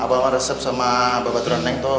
apa lo resep sama bapak turaneng tuh